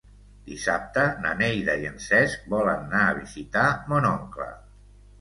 Dissabte na Neida i en Cesc volen anar a visitar mon oncle.